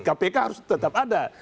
kpk harus tetap ada